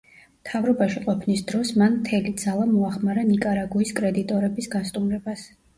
მთავრობაში ყოფნის დროს მან მთელი ძალა მოახმარა ნიკარაგუის კრედიტორების გასტუმრებას.